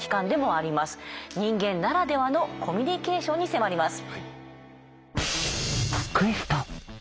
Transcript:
人間ならではのコミュニケーションに迫ります。